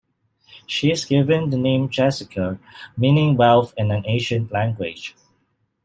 She is given the name Jessica, meaning "wealth" in an ancient language.